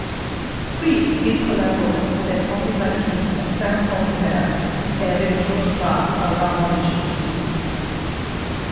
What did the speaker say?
Puis, il collabore avec Henri Matisse à Saint-Paul-de-Vence et avec Georges Braque à Varengeville.